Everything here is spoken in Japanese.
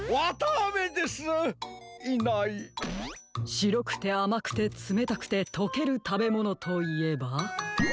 しろくてあまくてつめたくてとけるたべものといえば？